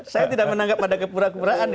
saya tidak menangkap pada kepura puraan